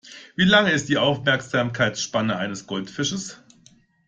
Wie lang ist die Aufmerksamkeitsspanne eines Goldfisches?